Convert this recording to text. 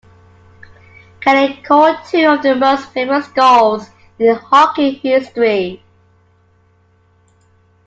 Kelly called two of the most famous goals in hockey history.